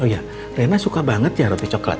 oh ya rena suka banget ya roti coklat